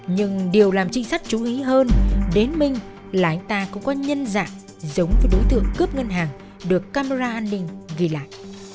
nhưng điều làm trinh sát chú ý hơn đến minh là anh ta cũng có nhân dạng giống với đối tượng cướp ngân hàng được camera an ninh ghi lại